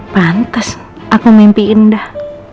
pantes aku mimpiin udah